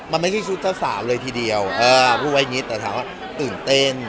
มันไม่ใช่ชุดเจ้าสามแต่แถวว่าตื่นเตน